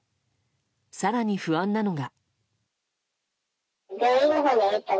更に不安なのが。